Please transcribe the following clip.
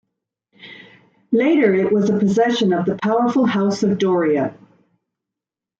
Later it was a possession of the powerful House of Doria.